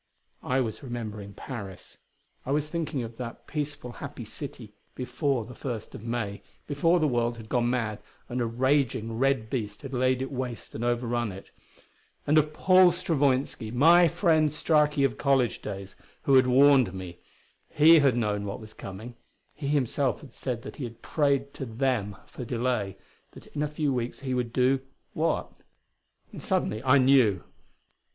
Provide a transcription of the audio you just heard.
I was remembering Paris; I was thinking of that peaceful, happy city before the First of May, before the world had gone mad and a raging, red beast had laid it waste and overrun it. And of Paul Stravoinski my friend "Straki" of college days who had warned me. He had known what was coming. He himself had said that he had prayed to "them" for delay; that in a few weeks he would do what?... And suddenly I knew.